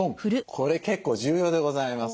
これ結構重要でございます。